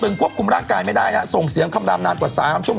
ถูกควบคุมรากการไม่ได้นะส่งเสียงคำรามนานกว่า๓ชั่วโมง